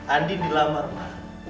andi dilamar ma